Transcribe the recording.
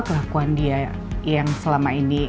kelakuan dia yang selama ini